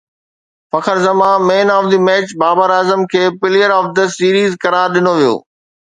فخر Zaman man of the match Babar Azam کي player of the series قرار ڏنو ويو